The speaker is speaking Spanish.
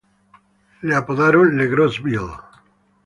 Le apodaron "Le Gros Bill".